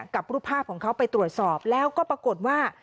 กับรูปภาพของเขาไปตรวจสอบแล้วก็ปรากฏว่า